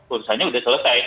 urusannya sudah selesai